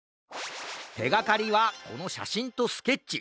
てがかりはこのしゃしんとスケッチ。